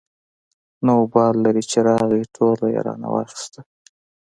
نه وبال لري چې راغی ټوله يې رانه واخېستله.